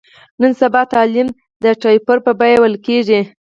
نن سبا تعلیم د ټېپرو په بیه ویل کېږي.